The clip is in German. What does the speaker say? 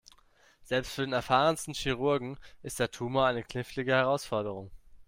Selbst für den erfahrensten Chirurgen ist der Tumor eine knifflige Herausforderung.